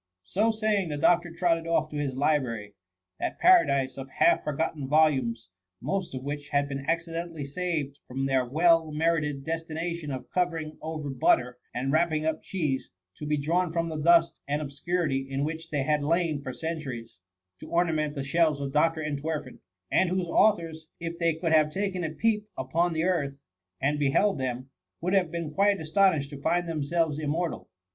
'' So saying, the doctor trotted off to his li brary, that paradise of half forgotten volumes, most of which had been accidentally saved from their well merited destination of covering over butter, and wrapping up cheese, to be drawn from the dust and obscurity in which they had lain for centuries, to ornament the shelvies of Doctor , Entwerfen ; and whose au 118 THB MUMMY. thors, if thej could have taken a peep upon earth, and beheld them^ would have been quite astonished to find themselves immortal.